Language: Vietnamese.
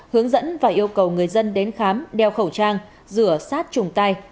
hướng dẫn và yêu cầu người dân đến khám đeo khẩu trang rửa sát trùng tay